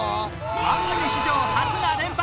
番組史上初が連発